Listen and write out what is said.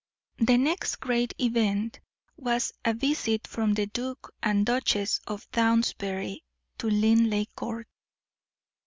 The next great event was a visit from the Duke and Duchess of Downsbury to Linleigh Court.